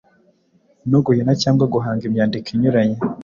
no guhina cyangwa guhanga imyandiko inyuranye.